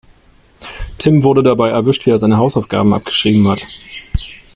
Tim wurde dabei erwischt, wie er seine Hausaufgaben abgeschrieben hat.